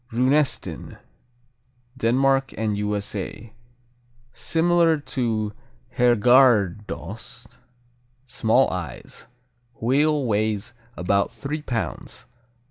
Runesten Denmark and U.S.A. Similar to Herrgårdsost. Small eyes. "Wheel" weighs about three pounds.